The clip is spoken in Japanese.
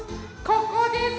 ここです！